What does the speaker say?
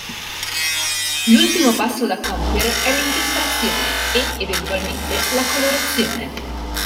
L'ultimo passo da compiere è l'inchiostrazione e, eventualmente, la colorazione.